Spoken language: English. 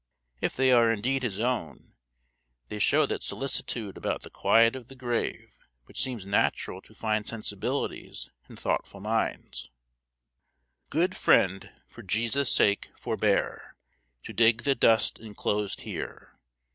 If they are indeed his own, they show that solicitude about the quiet of the grave which seems natural to fine sensibilities and thoughtful minds: Good friend, for Jesus' sake, forbeare To dig the dust inclosed here.